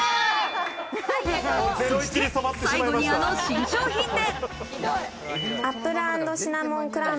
そして最後にあの新商品で。